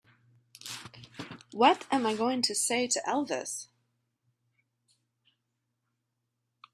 What am I going to say to Elvis?